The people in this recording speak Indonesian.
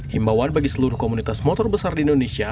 himbawan bagi seluruh komunitas motor besar di indonesia